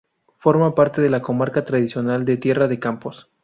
Forma parte de la comarca tradicional de Tierra de Campos.